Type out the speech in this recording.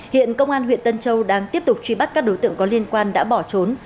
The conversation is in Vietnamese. hiện công an huyện tân châu đang tiếp tục truy bắt các đối tượng có liên quan đã bỏ trốn